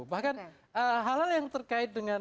bahkan hal hal yang terkait dengan